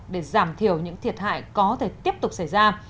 để giảm thiểu những thiệt hại có thể tiếp tục xảy ra